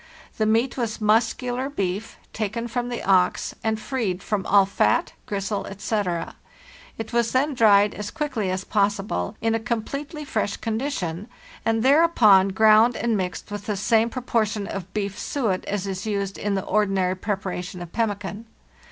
The meat was muscular beef, taken from the ox, and freed from all fat, gristle, etc.; it was then dried as quickly as possible, in a com pletely fresh condition, and thereupon ground and mixed with the same proportion of beef suet as is used in the ordinary preparation of pemmican.